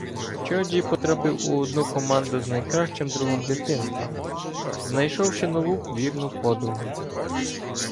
Чьоджі потрапив у одну команду з найкращим другом дитинства, знайшовши нову вірну подругу.